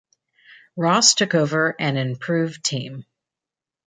Ross took over an improved team.